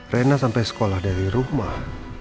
reina sampai sekolah dari rumor